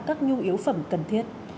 các nhu yếu phẩm cần thiết